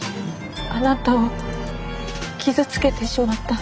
あなたを傷つけてしまった。